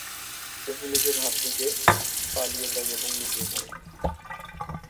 সে পুলিশের হাত থেকে পালিয়ে যায় এবং লুকিয়ে পড়ে।